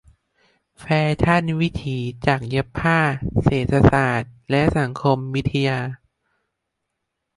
แฟชั่นวิถี-จักรเย็บผ้า-เศรษฐศาสตร์และสังคมวิทยา.